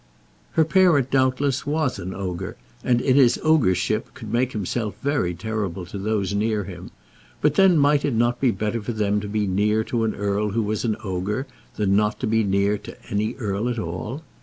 Her parent, doubtless, was an ogre, and in his ogreship could make himself very terrible to those near him; but then might it not be better for them to be near to an earl who was an ogre, than not to be near to any earl at all?